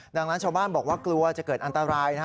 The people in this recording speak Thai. ดังนั้นชาวบ้านบอกว่ากลัวจะเกิดอันตราย